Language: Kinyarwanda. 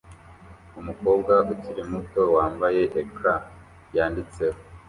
Umukobwa ukiri muto wambaye ecran yanditseho